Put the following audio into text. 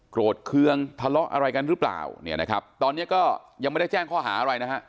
ปรวจเครื่องทะเลาะอะไรกันหรือเปล่าตอนนี้ก็ยังไม่ได้แจ้งข้อหาอะไร